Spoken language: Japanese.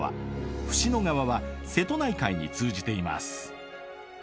椹野川は瀬戸内海に通じています。